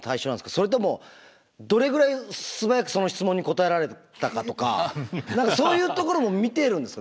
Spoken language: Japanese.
それともどれぐらい素早くその質問に答えられたかとか何かそういうところも見てるんですか？